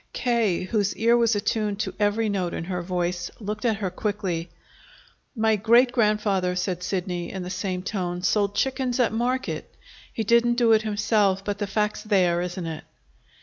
K., whose ear was attuned to every note in her voice, looked at her quickly. "My great grandfather," said Sidney in the same tone, "sold chickens at market. He didn't do it himself; but the fact's there, isn't it?"